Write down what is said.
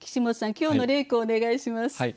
今日の例句お願いします。